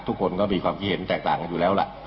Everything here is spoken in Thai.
ทุกคนก็มีความคิดเห็นแตกต่างกันอยู่แล้วล่ะ